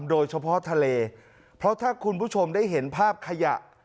โดยเฉพาะทะเลเพราะถ้าคุณผู้ชมได้เห็นภาพขยะ